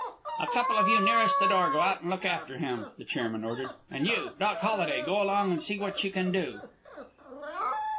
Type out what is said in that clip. "A couple of you nearest the door go out and look after him," the chairman ordered. "And you, Doc Holiday, go along and see what you can do."